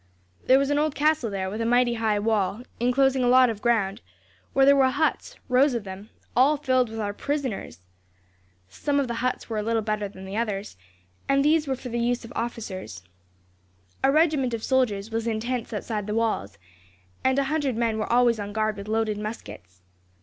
There was an old castle there, with a mighty high wall, enclosing a lot of ground, where there were huts rows of them all filled with our prisoners. Some of the huts were a little better than others, and these were for the use of officers. A regiment of soldiers was in tents outside the walls, and a hundred men were always on guard with loaded muskets.